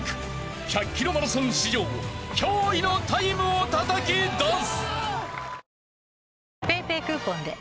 １００ｋｍマラソン史上驚異のタイムをたたき出す！］